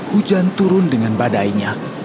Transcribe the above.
hujan turun dengan badainya